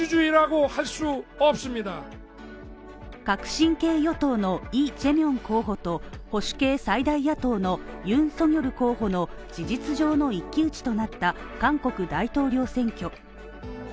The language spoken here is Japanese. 革新系与党のイ・ジェミョン候補と保守系最大野党のユン・ソギョル候補の事実上の一騎打ちとなった韓国大統領選挙。